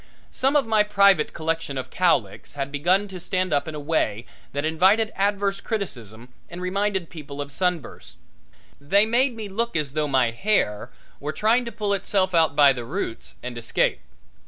Some of my private collection of cowlicks had begun to stand up in a way that invited adverse criticism and reminded people of sunbursts. They made me look as though my hair were trying to pull itself out by the roots and escape.